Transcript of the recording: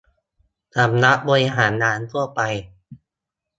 สำนักบริหารงานทั่วไป